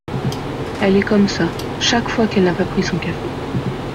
Elle est comme ça, chaque fois qu’elle n’a pas pris son café !